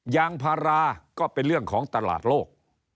ยางพาราก็เป็นเรื่องของตลาดโลก